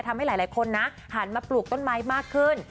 ทำให้หลายคนนะหันมาปลูกต้นไม้มากขึ้น